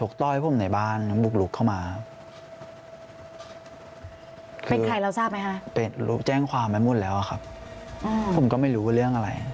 คิดว่าน่าจะมาล่อเอิสนะ